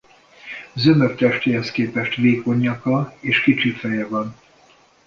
Zömök testéhez képest vékony nyaka és kicsi feje van.